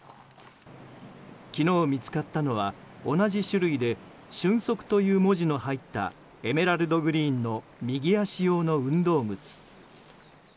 昨日見つかったのは同じ種類で「ＳＹＵＮＳＯＫＵ」という文字の入ったエメラルドグリーンの右足用の運動靴。